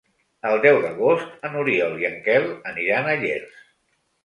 El deu d'agost n'Oriol i en Quel aniran a Llers.